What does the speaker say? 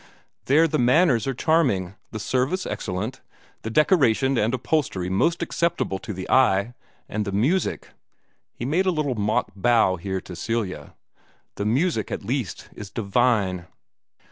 There the manners are charming, the service excellent, the decoration and upholstery most acceptable to the eye, and the music" he made a little mock bow here to Celia "the music at least is divine.